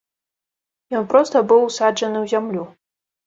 Ён проста быў усаджаны ў зямлю.